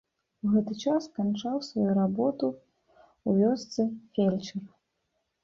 У гэты час канчаў сваю работу ў вёсцы фельчар.